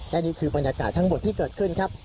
และนี่คือบรรยากาศทั้งหมดที่เกิดขึ้นครับ